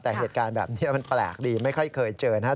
แต่เหตุการณ์แบบนี้มันแปลกดีไม่ค่อยเคยเจอนะครับ